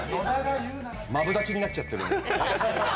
マブダチになっちゃってるんで。